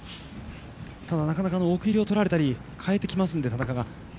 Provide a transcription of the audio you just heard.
なかなか奥襟をとられたり変えてきますので田中が。